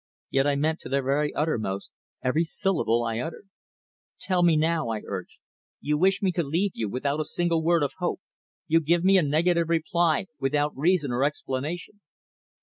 Yet I meant to their very uttermost every syllable I uttered. "Tell me now," I urged. "You wish me to leave you without a single word of hope. You give me a negative reply without reason or explanation."